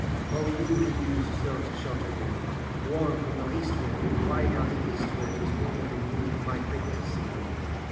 " Oh, you who used so to shelter me, Warm from the least wind — ^why, now the east wind Is wanner than you, whom I quake to see.